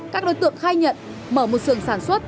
các đối tượng khai nhận mở một sưởng sản xuất